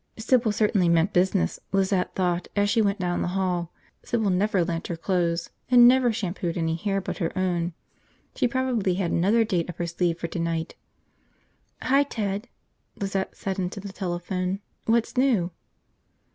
Sybil certainly meant business, Lizette thought as she went down the hall. Sybil never lent her clothes. And never shampooed any hair but her own. She probably had another date up her sleeve for tonight. "Hi, Ted," Lizette said into the telephone. "What's new?"